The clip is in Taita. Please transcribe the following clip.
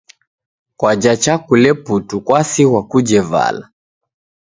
Kwaja chakule putu kwasighwa kuje vala.